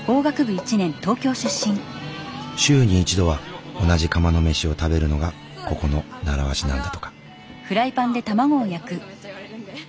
週に１度は同じ釜の飯を食べるのがここの習わしなんだとか。